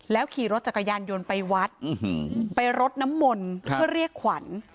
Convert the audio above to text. แล้วขี่รถจากกระยานโยนไปวัดไปรถน้ำม่วนเพื่อเรียกขวัญ